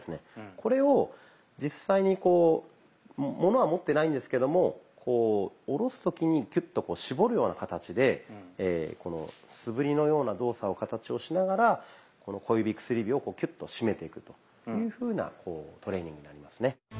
これを実際にこうモノは持ってないんですけどもこう下ろす時にキュッと絞るような形で素振りのような動作形をしながらこの小指・薬指をキュッと締めていくというふうなトレーニングになりますね。